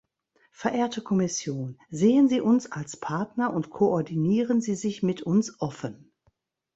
Verehrte Kommission, sehen Sie uns als Partner und koordinieren Sie sich mit uns offen!